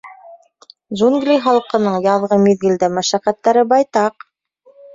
Джунгли Халҡының яҙғы миҙгелдә мәшәҡәттәре байтаҡ.